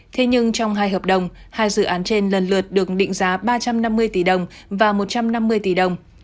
thế nhưng trong hai hợp đồng hai dự án trên lần lượt được định giá ba trăm năm mươi tỷ đồng và một trăm năm mươi tỷ đồng